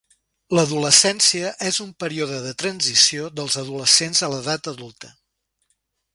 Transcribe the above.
L'adolescència és un període de transició dels adolescents a l'edat adulta.